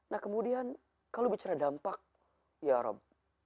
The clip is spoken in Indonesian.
nah kemudian kalau bicara dampak yaa rob